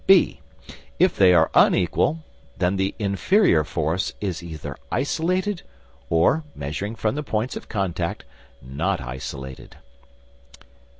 (b) If they are unequal, then the inferior force is either isolated or (measuring from the points of contact) not isolated.